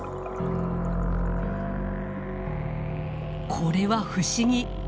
これは不思議。